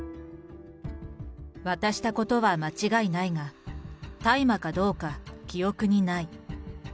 渡したことは間違いないが、大麻かどうか、記憶にない。